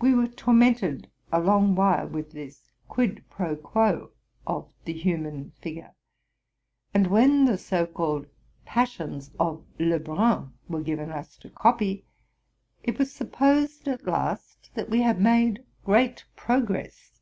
We were tormented a long while with this guid pro quo of the human figure ; and when the so called Passions of Le Brun were given us to copy, it was supposed at last that we had made great progress.